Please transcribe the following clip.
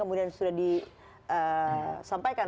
kemudian sudah disampaikan